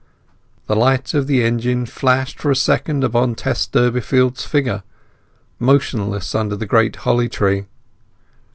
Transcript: The light of the engine flashed for a second upon Tess Durbeyfield's figure, motionless under the great holly tree.